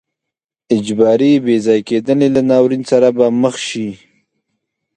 اجباري بې ځای کېدنې له ناورین سره به مخ شي.